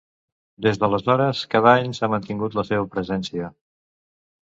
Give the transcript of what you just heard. Des d’aleshores, cada any s’ha mantingut la seva presència.